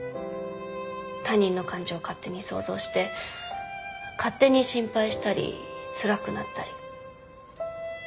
他人の感情勝手に想像して勝手に心配したりつらくなったり。